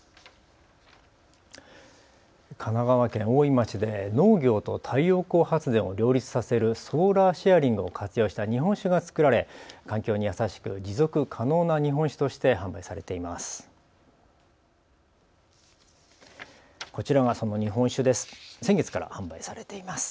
神奈川県大井町で農業と太陽光発電を両立させるソーラーシェアリングを活用した日本酒が造られ環境に優しく持続可能な日本酒として販売されています。